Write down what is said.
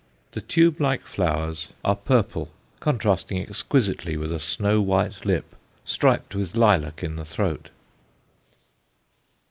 The tube like flowers are purple, contrasting exquisitely with a snow white lip, striped with lilac in the throat.